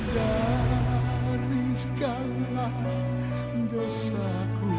dari segala dosaku